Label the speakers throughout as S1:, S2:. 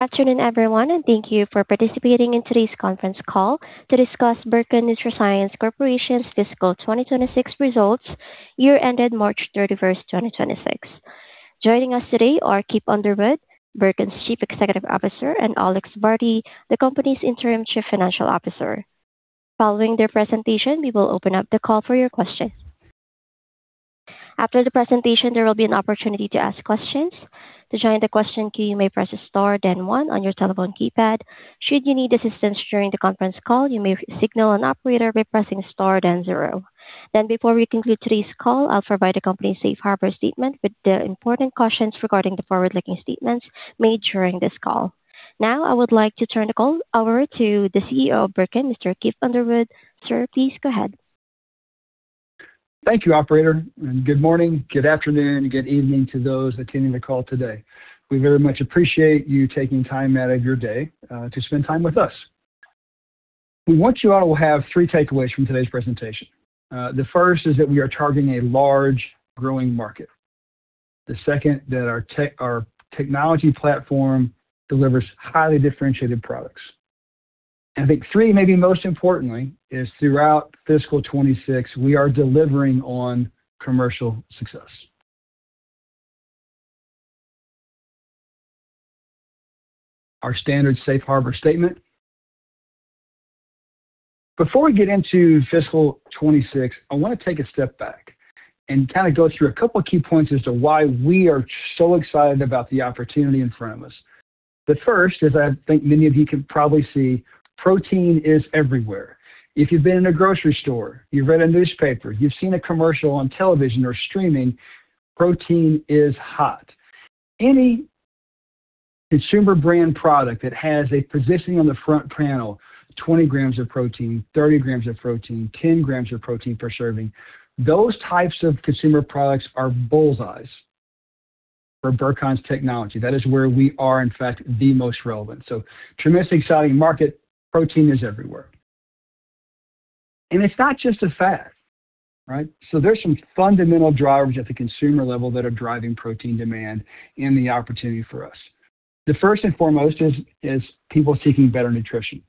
S1: Good afternoon, everyone, and thank you for participating in today's conference call to discuss Burcon NutraScience Corporation's fiscal 2026 results, year ended March 31st, 2026. Joining us today are Kip Underwood, Burcon's Chief Executive Officer, and Alex Varty, the company's Interim Chief Financial Officer. Following their presentation, we will open up the call for your questions. After the presentation, there will be an opportunity to ask questions. To join the question queue, you may press star then one on your telephone keypad. Should you need assistance during the conference call, you may signal an operator by pressing star then zero. Before we conclude today's call, I'll provide the company's Safe Harbor statement with the important cautions regarding the forward-looking statements made during this call. Now, I would like to turn the call over to the CEO of Burcon, Mr. Kip Underwood. Sir, please go ahead.
S2: Thank you, operator. Good morning, good afternoon, good evening to those attending the call today. We very much appreciate you taking time out of your day to spend time with us. We want you all to have three takeaways from today's presentation. The first is that we are targeting a large growing market. The second, that our technology platform delivers highly differentiated products. I think three, maybe most importantly, is throughout fiscal 2026, we are delivering on commercial success. Our standard Safe Harbor statement. Before we get into fiscal 2026, I want to take a step back and go through a couple of key points as to why we are so excited about the opportunity in front of us. The first is, I think many of you can probably see, protein is everywhere. If you've been in a grocery store, you've read a newspaper, you've seen a commercial on television or streaming, protein is hot. Any consumer brand product that has a positioning on the front panel, 20 g of protein, 30 g of protein, 10 grams of protein per serving, those types of consumer products are bullseyes for Burcon's technology. That is where we are, in fact, the most relevant. Tremendously exciting market, protein is everywhere. It's not just a fad, right? There's some fundamental drivers at the consumer level that are driving protein demand and the opportunity for us. The first and foremost is people seeking better nutrition.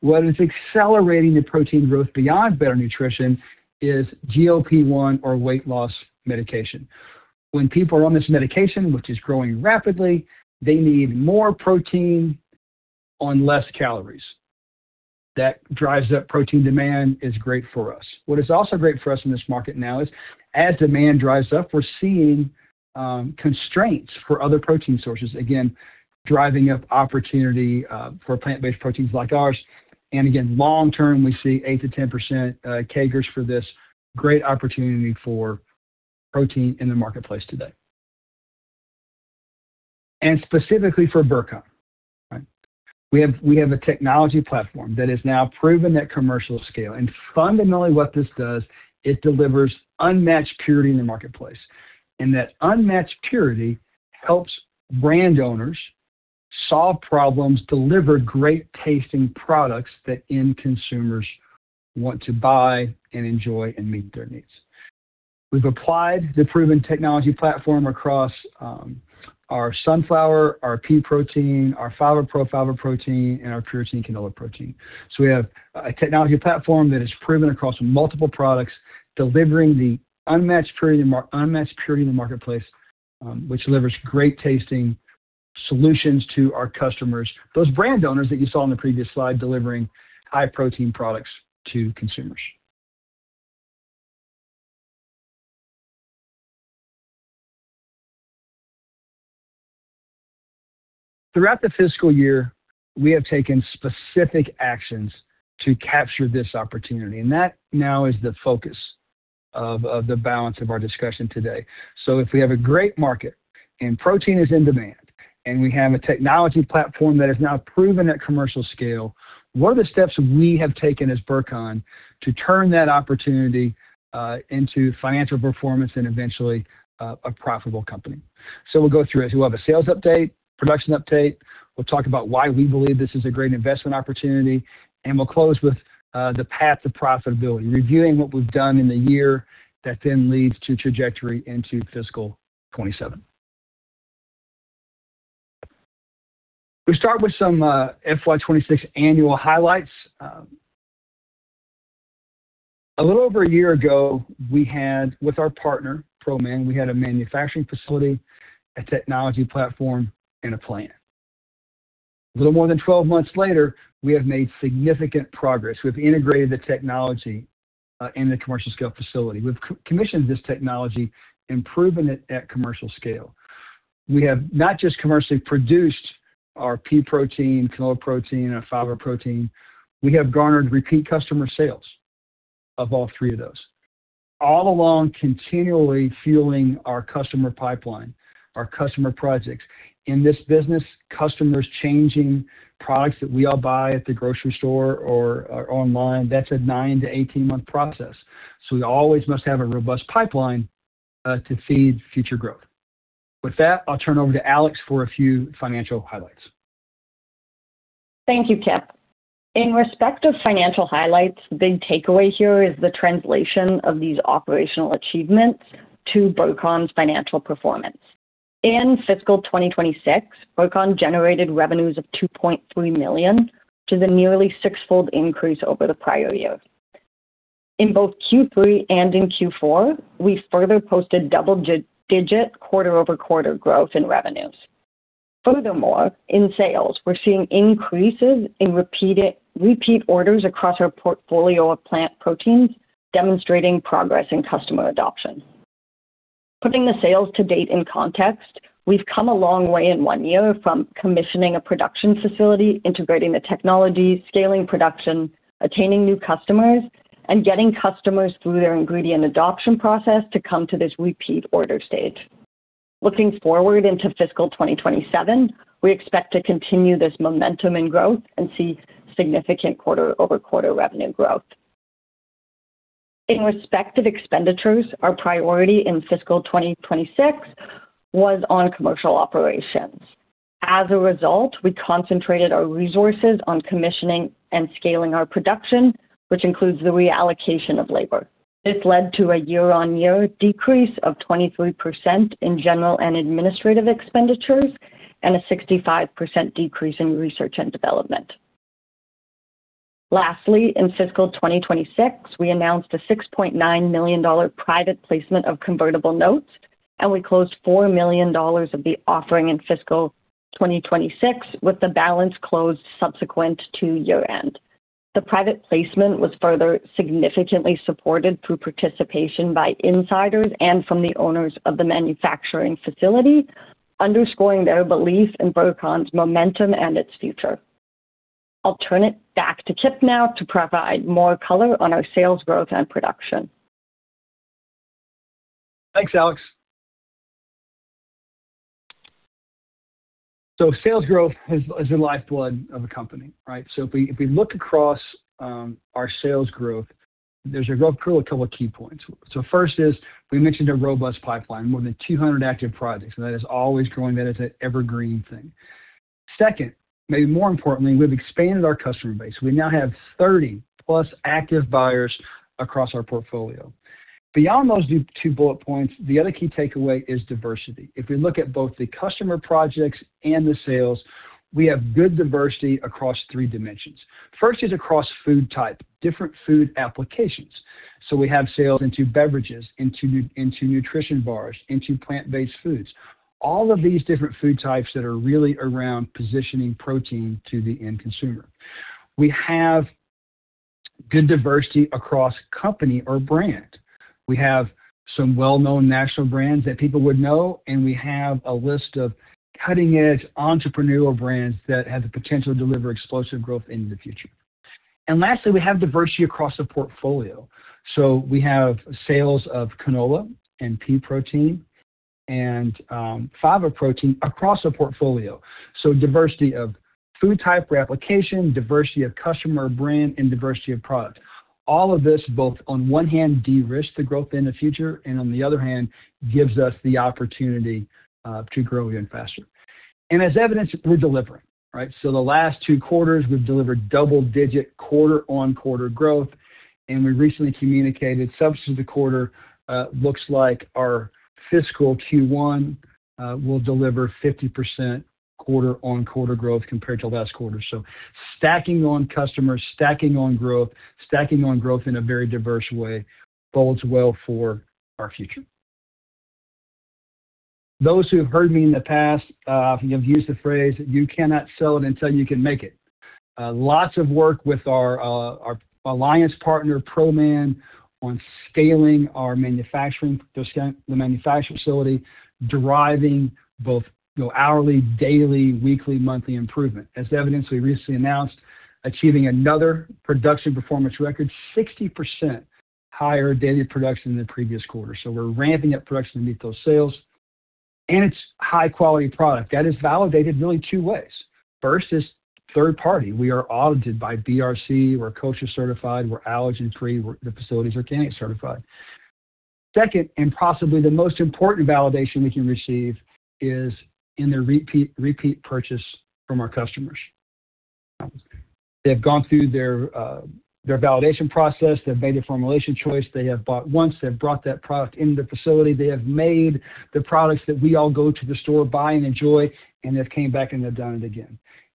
S2: What is accelerating the protein growth beyond better nutrition is GLP-1 or weight loss medication. When people are on this medication, which is growing rapidly, they need more protein on less calories. That drives up protein demand, is great for us. What is also great for us in this market now is as demand drives up, we're seeing constraints for other protein sources, again, driving up opportunity for plant-based proteins like ours. Again, long-term, we see 8%-10% CAGRs for this. Great opportunity for protein in the marketplace today. Specifically for Burcon. We have a technology platform that is now proven at commercial scale. Fundamentally what this does, it delivers unmatched purity in the marketplace. That unmatched purity helps brand owners solve problems, deliver great-tasting products that end consumers want to buy and enjoy and meet their needs. We've applied the proven technology platform across our sunflower, our pea protein, our FavaPro, and our Puratein canola protein. We have a technology platform that is proven across multiple products, delivering the unmatched purity in the marketplace, which delivers great-tasting solutions to our customers, those brand owners that you saw in the previous slide, delivering high protein products to consumers. Throughout the fiscal year, we have taken specific actions to capture this opportunity, and that now is the focus of the balance of our discussion today. If we have a great market and protein is in demand, and we have a technology platform that is now proven at commercial scale, what are the steps we have taken as Burcon to turn that opportunity into financial performance and eventually a profitable company? We'll go through it. We'll have a sales update, production update. We'll talk about why we believe this is a great investment opportunity, and we'll close with the path to profitability, reviewing what we've done in the year that then leads to trajectory into fiscal 2027. We start with some FY 2026 annual highlights. A little over a year ago, we had with our partner, ProMan, we had a manufacturing facility, a technology platform, and a plan. A little more than 12 months later, we have made significant progress. We've integrated the technology in the commercial scale facility. We've commissioned this technology and proven it at commercial scale. We have not just commercially produced our pea protein, canola protein, and fava protein, we have garnered repeat customer sales of all three of those, all along continually fueling our customer pipeline, our customer projects. In this business, customers changing products that we all buy at the grocery store or online, that's a 9 - 18-month process. We always must have a robust pipeline to feed future growth. With that, I'll turn over to Alex for a few financial highlights.
S3: Thank you, Kip. In respect of financial highlights, the big takeaway here is the translation of these operational achievements to Burcon's financial performance. In fiscal 2026, Burcon generated revenues of 2.3 million, which is a nearly sixfold increase over the prior year. In both Q3 and in Q4, we further posted double-digit quarter-over-quarter growth in revenues. Furthermore, in sales, we're seeing increases in repeat orders across our portfolio of plant proteins, demonstrating progress in customer adoption. Putting the sales to date in context, we've come a long way in one year from commissioning a production facility, integrating the technology, scaling production, attaining new customers, and getting customers through their ingredient adoption process to come to this repeat order stage. Looking forward into fiscal 2027, we expect to continue this momentum and growth and see significant quarter-over-quarter revenue growth. In respect of expenditures, our priority in fiscal 2026 was on commercial operations. As a result, we concentrated our resources on commissioning and scaling our production, which includes the reallocation of labor. This led to a year-on-year decrease of 23% in general and administrative expenditures and a 65% decrease in research and development. Lastly, in fiscal 2026, we announced a 6.9 million dollar private placement of convertible notes, and we closed 4 million dollars of the offering in fiscal 2026, with the balance closed subsequent to year-end. The private placement was further significantly supported through participation by insiders and from the owners of the manufacturing facility, underscoring their belief in Burcon's momentum and its future. I will turn it back to Kip now to provide more color on our sales growth and production.
S2: Thanks, Alex. Sales growth is the lifeblood of a company, right? If we look across our sales growth, there is a couple of key points. First is we mentioned a robust pipeline, more than 200 active projects, and that is always growing. That is an evergreen thing. Second, maybe more importantly, we have expanded our customer base. We now have 30+ active buyers across our portfolio. Beyond those two bullet points, the other key takeaway is diversity. If we look at both the customer projects and the sales, we have good diversity across three dimensions. First is across food type, different food applications. We have sales into beverages, into nutrition bars, into plant-based foods, all of these different food types that are really around positioning protein to the end consumer. We have good diversity across company or brand. We have some well-known national brands that people would know, and we have a list of cutting-edge entrepreneurial brands that have the potential to deliver explosive growth into the future. And lastly, we have diversity across the portfolio. We have sales of canola and pea protein and fava protein across the portfolio. So diversity of food type or application, diversity of customer brand, and diversity of product. All of this both on one hand, de-risks the growth in the future, and on the other hand, gives us the opportunity to grow even faster. And as evidenced, we are delivering, right? The last two quarters, we have delivered double-digit quarter-on-quarter growth, and we recently communicated substantive quarter. Looks like our fiscal Q1 will deliver 50% quarter-on-quarter growth compared to last quarter. Stacking on customers, stacking on growth, stacking on growth in a very diverse way bodes well for our future. Those who have heard me in the past, I have used the phrase, "You cannot sell it until you can make it." Lots of work with our alliance partner, ProMan, on scaling our manufacturing facility, deriving both hourly, daily, weekly, monthly improvement. As evidenced, we recently announced achieving another production performance record, 60% higher daily production than the previous quarter. So we are ramping up production to meet those sales. And it is high-quality product. That is validated really two ways. First is third party. We are audited by BRC. We are kosher certified. We are allergen-free. The facility is organic certified. Second, and possibly the most important validation we can receive is in the repeat purchase from our customers. They have gone through their validation process. They have made a formulation choice. They have bought once. They have brought that product into the facility. They have made the products that we all go to the store, buy, and enjoy, and they've came back, and they've done it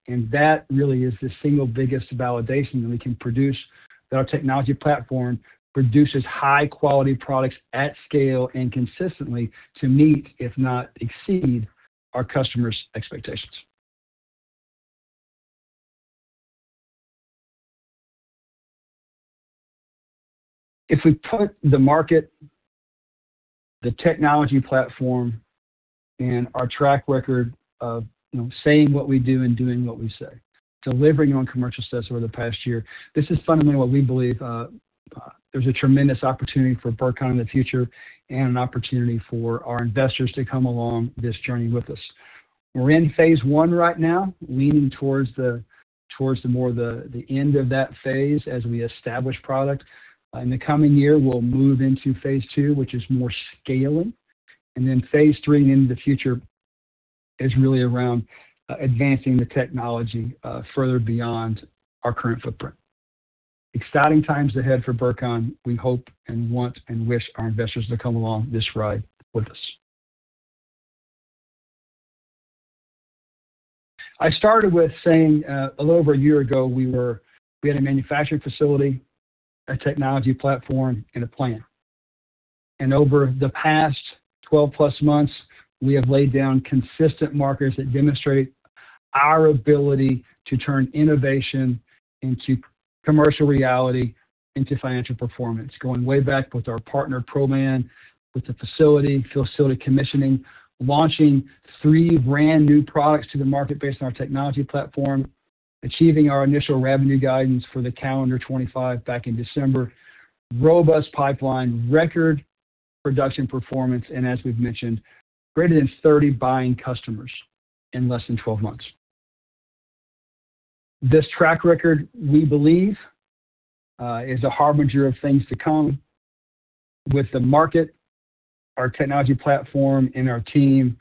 S2: again. That really is the single biggest validation that we can produce, that our technology platform produces high-quality products at scale and consistently to meet, if not exceed, our customers' expectations. If we put the market, the technology platform, and our track record of saying what we do and doing what we say, delivering on commercial success over the past year, this is fundamentally what we believe. There's a tremendous opportunity for Burcon in the future and an opportunity for our investors to come along this journey with us. We're in phase 1 right now, leaning towards the more the end of that phase as we establish product. In the coming year, we'll move into phase II, which is more scaling. Then phase III into the future is really around advancing the technology further beyond our current footprint. Exciting times ahead for Burcon. We hope and want and wish our investors to come along this ride with us. I started with saying, a little over a year ago, we had a manufacturing facility, a technology platform, and a plan. Over the past 12+ months, we have laid down consistent markers that demonstrate our ability to turn innovation into commercial reality, into financial performance. Going way back with our partner, ProMan, with the facility commissioning, launching three brand-new products to the market based on our technology platform, achieving our initial revenue guidance for the calendar 2025 back in December, robust pipeline, record production performance, and as we've mentioned, greater than 30 buying customers in less than 12 months. This track record, we believe, is a harbinger of things to come with the market, our technology platform, and our team.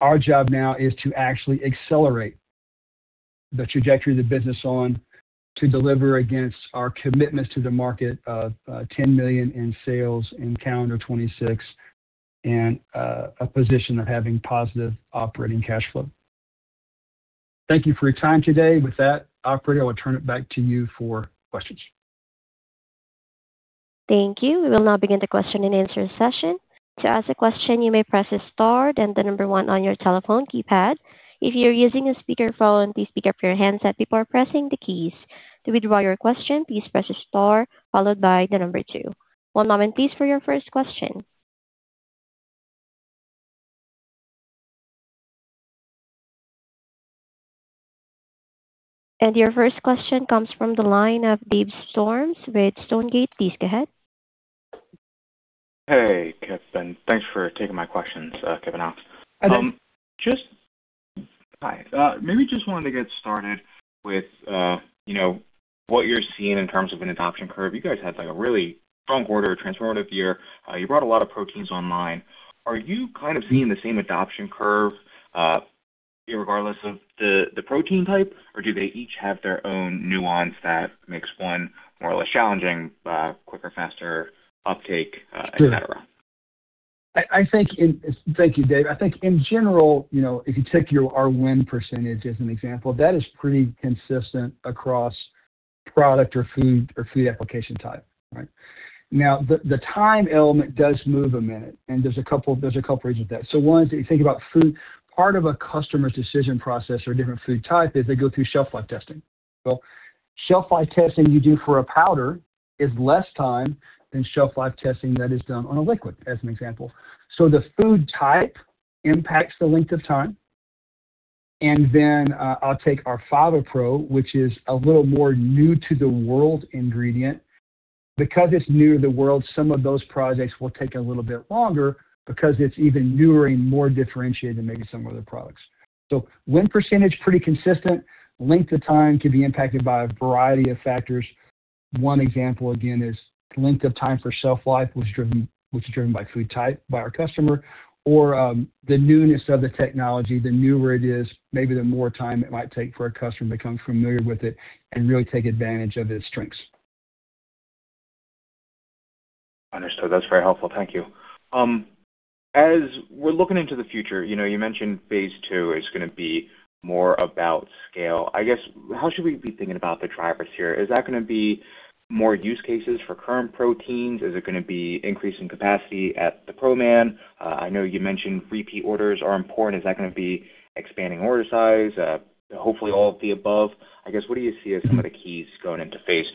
S2: Our job now is to actually accelerate the trajectory of the business on to deliver against our commitment to the market of 10 million in sales in calendar 2026 and a position of having positive operating cash flow. Thank you for your time today. With that, operator, I will turn it back to you for questions.
S1: Thank you. We will now begin the question-and-answer session. To ask a question, you may press star then the number one on your telephone keypad. If you're using a speakerphone, please pick up your handset before pressing the keys. To withdraw your question, please press star followed by the number two. One moment, please, for your first question. Your first question comes from the line of Dave Storms with Stonegate. Please go ahead.
S4: Hey, Kevin. Thanks for taking my questions, Kevin Knox.
S2: Hi, Dave.
S4: Maybe just wanted to get started with what you're seeing in terms of an adoption curve. You guys had a really strong quarter, a transformative year. You brought a lot of proteins online. Are you seeing the same adoption curve regardless of the protein type, or do they each have their own nuance that makes one more or less challenging, quicker, faster uptake, et cetera?
S2: Sure. Thank you, Dave. I think in general, if you take our win percentage as an example, that is pretty consistent across product or food application type, right? Now, the time element does move a minute, and there's a couple of reasons for that. One is that you think about food, part of a customer's decision process or different food type is they go through shelf life testing. Well, shelf life testing you do for a powder is less time than shelf life testing that is done on a liquid, as an example. So the food type impacts the length of time, and then I'll take our FavaPro, which is a little more new to the world ingredient. Because it's new to the world, some of those projects will take a little bit longer because it's even newer and more differentiated than maybe some of their products. Win percentage, pretty consistent. Length of time can be impacted by a variety of factors. One example, again, is length of time for shelf life, which is driven by food type by our customer, or the newness of the technology. The newer it is, maybe the more time it might take for a customer to become familiar with it and really take advantage of its strengths.
S4: Understood. That's very helpful. Thank you. As we're looking into the future, you mentioned phase II is going to be more about scale. I guess, how should we be thinking about the drivers here? Is that going to be more use cases for current proteins? Is it going to be increasing capacity at the ProMan? I know you mentioned repeat orders are important. Is that going to be expanding order size? Hopefully all of the above. I guess, what do you see as some of the keys going into phase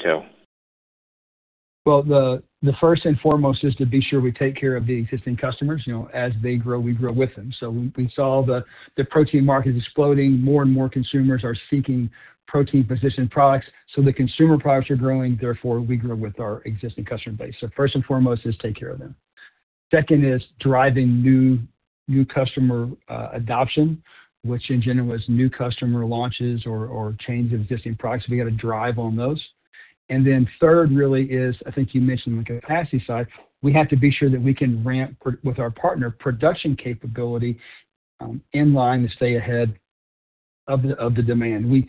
S4: II.
S2: The first and foremost is to be sure we take care of the existing customers. As they grow, we grow with them. We saw the protein market exploding. More and more consumers are seeking protein position products. The consumer products are growing, therefore, we grow with our existing customer base. First and foremost is take care of them. Second is driving new customer adoption, which in general is new customer launches or change of existing products. We got to drive on those. Then third really is, I think you mentioned the capacity side. We have to be sure that we can ramp with our partner production capability in line to stay ahead of the demand.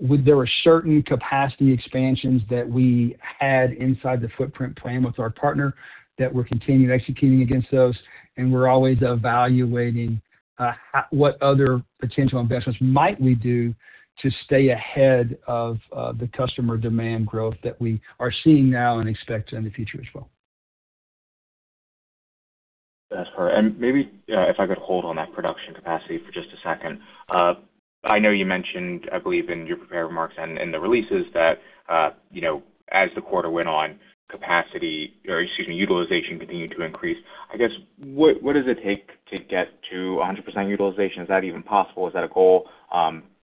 S2: There were certain capacity expansions that we had inside the footprint plan with our partner that we're continuing executing against those. We're always evaluating what other potential investments might we do to stay ahead of the customer demand growth that we are seeing now and expect in the future as well.
S4: That's fair. Maybe if I could hold on that production capacity for just a second. I know you mentioned, I believe in your prepared remarks and in the releases that as the quarter went on, capacity, or excuse me, utilization continued to increase. I guess, what does it take to get to 100% utilization? Is that even possible? Is that a goal?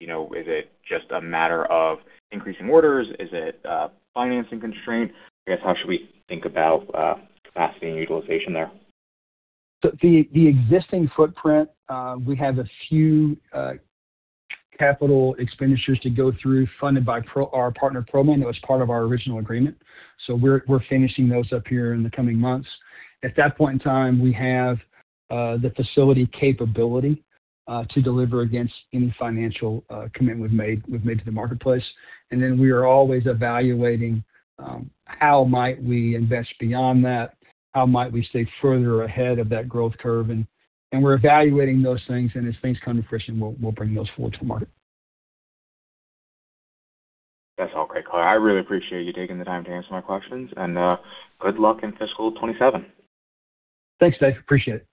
S4: Is it just a matter of increasing orders? Is it financing constraint? I guess, how should we think about capacity and utilization there?
S2: The existing footprint, we have a few Capital expenditures to go through, funded by our partner ProMan. That was part of our original agreement. We're finishing those up here in the coming months. At that point in time, we have the facility capability to deliver against any financial commitment we've made to the marketplace. Then we are always evaluating how might we invest beyond that? How might we stay further ahead of that growth curve? We're evaluating those things, and as things come to fruition, we'll bring those forward to market.
S4: That's all great, Kip. I really appreciate you taking the time to answer my questions, and good luck in fiscal 2027.
S2: Thanks, Dave. Appreciate it.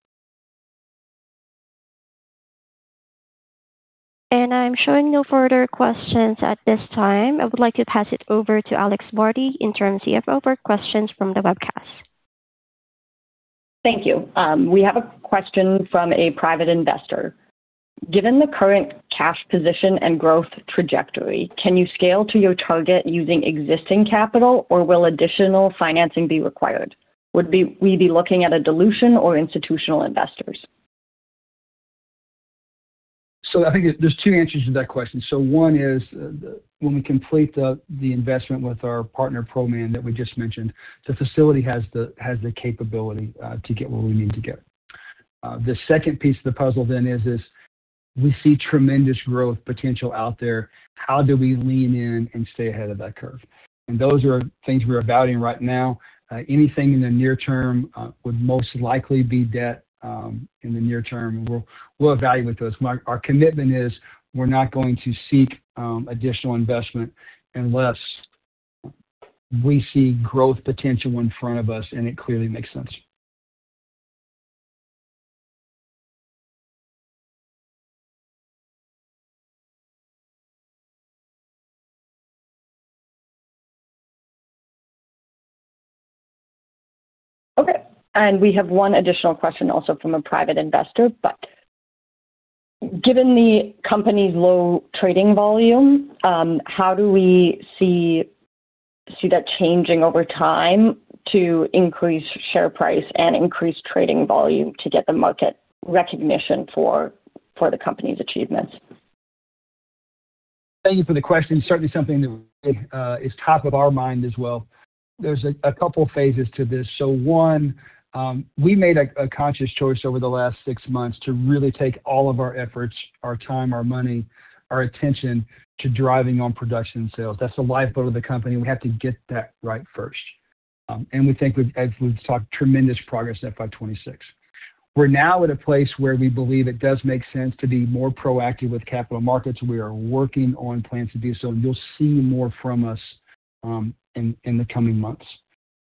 S1: I'm showing no further questions at this time. I would like to pass it over to Alex Varty, Interim CFO, for questions from the webcast.
S3: Thank you. We have a question from a private investor. Given the current cash position and growth trajectory, can you scale to your target using existing capital, or will additional financing be required? Would we be looking at a dilution or institutional investors?
S2: I think there's two answers to that question. One is when we complete the investment with our partner, ProMan, that we just mentioned, the facility has the capability to get what we need to get. The second piece of the puzzle then is this, we see tremendous growth potential out there. How do we lean in and stay ahead of that curve? Those are things we're evaluating right now. Anything in the near term would most likely be debt in the near term. We'll evaluate those. Our commitment is we're not going to seek additional investment unless we see growth potential in front of us, and it clearly makes sense.
S3: Okay. We have one additional question also from a private investor. Given the company's low trading volume, how do we see that changing over time to increase share price and increase trading volume to get the market recognition for the company's achievements?
S2: Thank you for the question. Certainly something that is top of our mind as well. There's a couple phases to this. One, we made a conscious choice over the last six months to really take all of our efforts, our time, our money, our attention to driving on production and sales. That's the lifeboat of the company. We have to get that right first. We think, as we've talked, tremendous progress in FY 2026. We're now at a place where we believe it does make sense to be more proactive with capital markets. We are working on plans to do so. You'll see more from us in the coming months.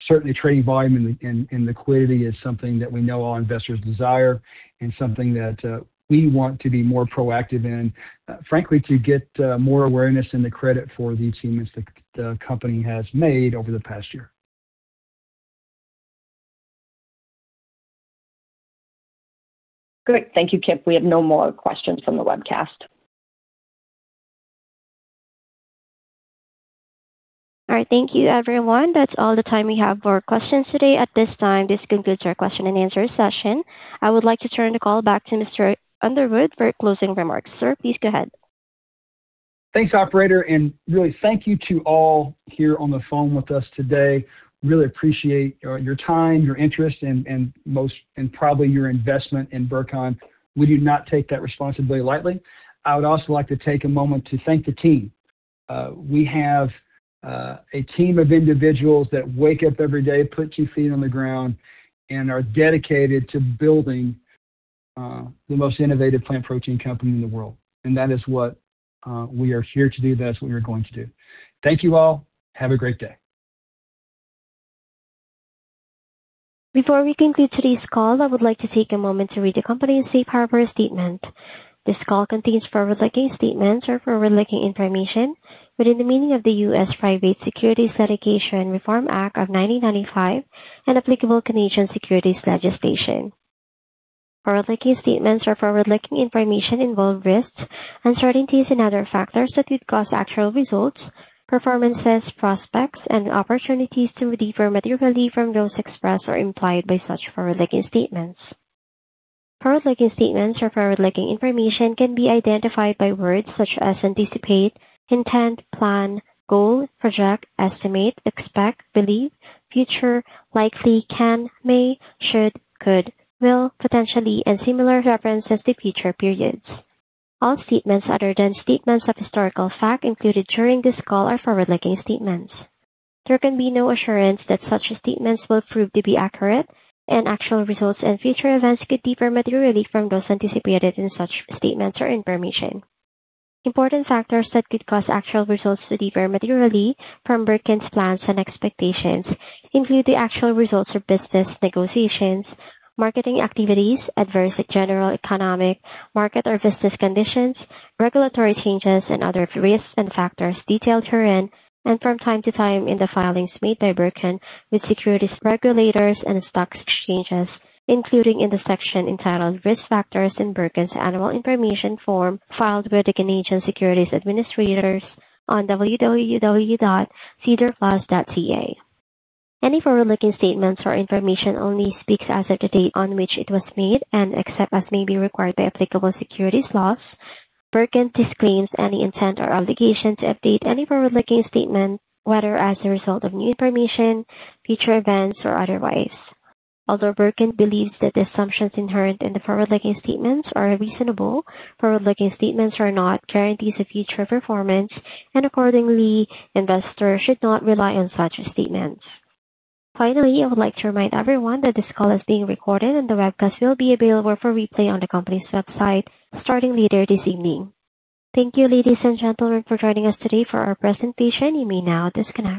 S2: Certainly, trading volume and liquidity is something that we know all investors desire and something that we want to be more proactive in, frankly, to get more awareness and the credit for the achievements that the company has made over the past year.
S3: Great. Thank you, Kip. We have no more questions from the webcast.
S1: All right. Thank you, everyone. That's all the time we have for questions today. At this time, this concludes our question and answer session. I would like to turn the call back to Mr. Underwood for closing remarks. Sir, please go ahead.
S2: Thanks, operator. Really thank you to all here on the phone with us today. Really appreciate your time, your interest, and probably your investment in Burcon. We do not take that responsibility lightly. I would also like to take a moment to thank the team. We have a team of individuals that wake up every day, put two feet on the ground, and are dedicated to building the most innovative plant protein company in the world. That is what we are here to do. That is what we are going to do. Thank you all. Have a great day.
S1: Before we conclude today's call, I would like to take a moment to read the company's safe harbor statement. This call contains forward-looking statements or forward-looking information within the meaning of the U.S. Private Securities Litigation Reform Act of 1995 and applicable Canadian securities legislation. Forward-looking statements or forward-looking information involve risks, uncertainties and other factors that could cause actual results, performances, prospects and opportunities to differ materially from those expressed or implied by such forward-looking statements. Forward-looking statements or forward-looking information can be identified by words such as anticipate, intend, plan, goal, project, estimate, expect, believe, future, likely, can, may, should, could, will, potentially and similar references to future periods. All statements other than statements of historical fact included during this call are forward-looking statements. There can be no assurance that such statements will prove to be accurate. Actual results and future events could differ materially from those anticipated in such statements or information. Important factors that could cause actual results to differ materially from Burcon's plans and expectations include the actual results of business negotiations, marketing activities, adverse general economic, market or business conditions, regulatory changes and other risks and factors detailed herein and from time to time in the filings made by Burcon with securities regulators and stock exchanges, including in the section entitled Risk Factors in Burcon's annual information form filed with the Canadian Securities Administrators on sedarplus.ca. Any forward-looking statements or information only speaks as of the date on which it was made. Except as may be required by applicable securities laws, Burcon disclaims any intent or obligation to update any forward-looking statement, whether as a result of new information, future events, or otherwise. Although Burcon believes that the assumptions inherent in the forward-looking statements are reasonable, forward-looking statements are not guarantees of future performance. Accordingly, investors should not rely on such statements. Finally, I would like to remind everyone that this call is being recorded and the webcast will be available for replay on the company's website starting later this evening. Thank you, ladies and gentlemen, for joining us today for our presentation. You may now disconnect.